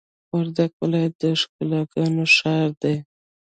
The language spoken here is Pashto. وردګ ولایت د ښکلاګانو ښار دی!